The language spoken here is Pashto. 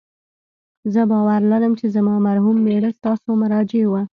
زه باور لرم چې زما مرحوم میړه ستاسو مراجع و